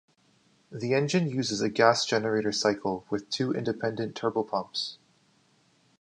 The engine uses a gas generator cycle with two independent turbopumps.